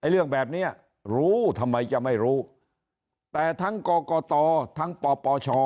เรื่องแบบนี้รู้ทำไมจะไม่รู้แต่ทั้งกรกตทั้งปปช